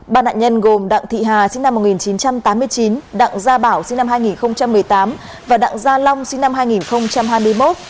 ba nạn nhân gồm đặng thị hà sinh năm một nghìn chín trăm tám mươi chín đặng gia bảo sinh năm hai nghìn một mươi tám và đặng gia long sinh năm hai nghìn hai mươi một